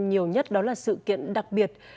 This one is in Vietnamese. nhiều nhất đó là sự kiện đặc biệt